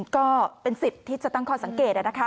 ก็เป็นสิทธิ์ที่จะตั้งข้อสังเกต